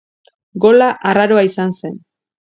Gola arraroa izan zen.